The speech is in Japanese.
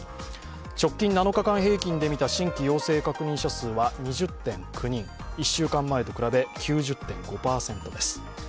直近７日間平均で見た新規陽性確認者数は２０．９人、１週間前と比べ９０．５％です。